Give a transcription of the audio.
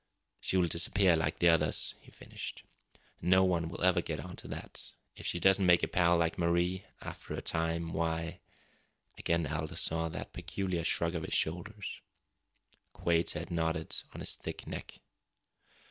"She will disappear like the others," he finished. "No one will ever get on to that. If she doesn't make a pal like Marie after a time, why " Again Aldous saw that peculiar shrug of his shoulders. Quade's head nodded on his thick neck.